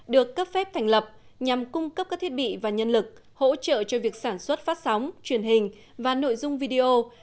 được cấp phép thành lập nhằm cung cấp các thiết bị và nhân lực hỗ trợ cho việc sản xuất phát sóng truyền hình và nội dung video